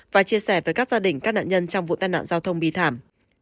và chia sẻ với các gia đình các nạn nhân trong vụ tai nạn giao thông bi thảm